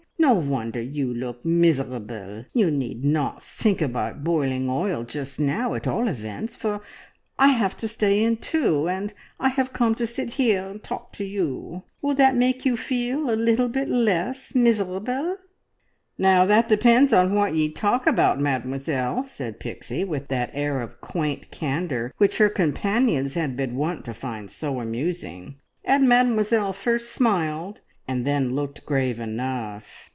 No wonder you look miserable! You need not think about boiling oil just now at all events, for I have to stay in too, and I have come to sit here and talk to you. Will that make you feel a little bit less miserable?" "Now that depends upon what ye talk about, Mademoiselle," said Pixie, with that air of quaint candour which her companions had been wont to find so amusing; and Mademoiselle first smiled, and then looked grave enough.